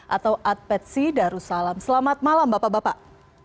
atau adpetsi darussalam selamat malam bapak bapak